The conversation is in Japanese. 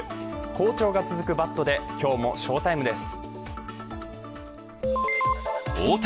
好調が続くバットで、今日も翔タイムです。